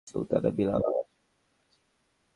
সুলতানা, বিলাল, আলামজান, ওরা আছে?